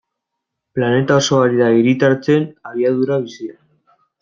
Planeta osoa ari da hiritartzen abiadura bizian.